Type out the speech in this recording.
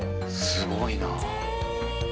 すごいな。